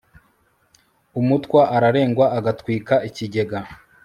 umutwa ararengwa agatwika ikigega